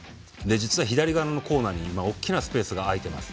左側のコーナーに大きなスペースが空いています。